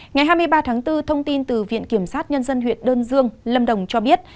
ngày hai mươi ba tháng bốn thông tin từ viện kiểm sát nhân dân huyện đơn dương lâm đồng cho biết